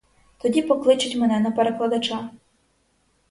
Тоді покличуть мене на перекладача.